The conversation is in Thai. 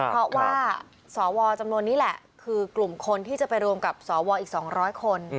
เพราะว่าสวจำนวนนี้แหละคือกลุ่มคนที่จะไปรวมกับสวอีก๒๐๐คน